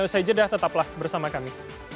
saya jeda tetaplah bersama kami